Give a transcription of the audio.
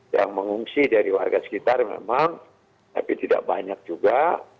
yang mengungsi dari warga sekitar memang tapi tidak banyak juga